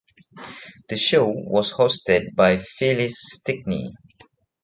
The show was hosted by Phyllis Stickney.